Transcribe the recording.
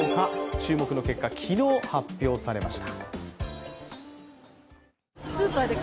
注目の結果、昨日発表されました。